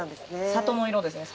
里の色ですね。